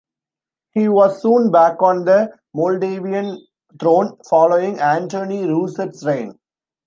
He was soon back on the Moldavian throne, following Antonie Ruset's reign.